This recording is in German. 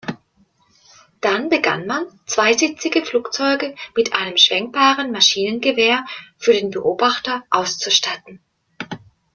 Dann begann man, zweisitzige Flugzeuge mit einem schwenkbaren Maschinengewehr für den Beobachter auszustatten.